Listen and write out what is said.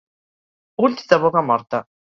Ulls de boga morta.